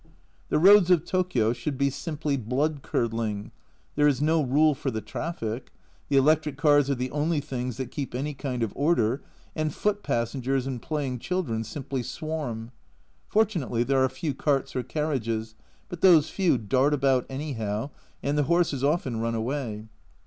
The roads of Tokio should be simply blood curdling. There is no rule for the traffic, the electric cars are the only things that keep any kind of order, and foot passengers and playing children simply swarm. Fortunately there are few carts or carriages, but those few dart about anyhow, and the horses often run away.